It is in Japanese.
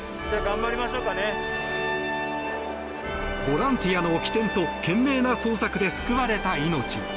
ボランティアの機転と懸命な捜索で救われた命。